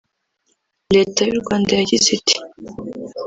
Leta y’u Rwanda yagize iti